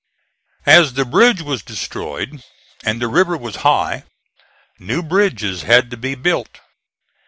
As the bridge was destroyed and the river was high, new bridges had to be built.